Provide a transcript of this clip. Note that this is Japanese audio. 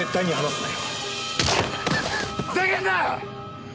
ふざけんな！